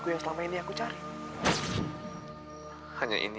aku mencintai hujan